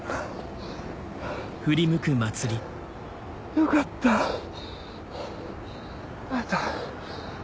よかった会えた。